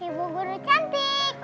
ibu guru cantik